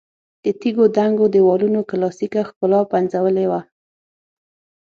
د تیږو دنګو دېوالونو کلاسیکه ښکلا پنځولې وه.